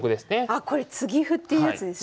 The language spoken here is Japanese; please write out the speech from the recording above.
あこれ継ぎ歩っていうやつですね。